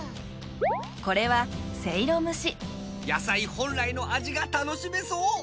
これはせいろむし野菜本来の味が楽しめそう！